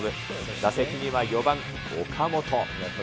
打席には４番岡本。